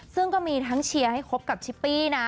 ซึ่งก็มีทั้งเชียร์ให้คบกับชิปปี้นะ